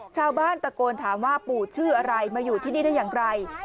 ชาวบ้านตะโกนถามว่าปู่ชื่ออะไรมาอยู่ที่นี่ได้อย่างไร